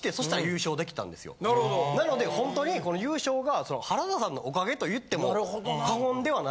なのでほんとに優勝が。